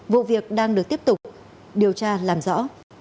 vụ việc đang được tiếp tục điều tra làm rõ